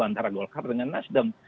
antara golkar dengan nasdem